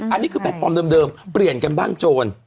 อันนี้คือแพลตฟอร์มเดิมเปลี่ยนกันบ้างโจร